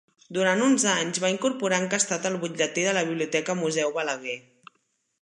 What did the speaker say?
Durant uns anys, va incorporar encastat el Butlletí de la Biblioteca Museu Balaguer.